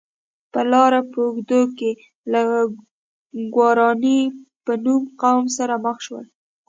د لارې په اوږدو کې له ګوراني په نوم قوم سره مخ شول.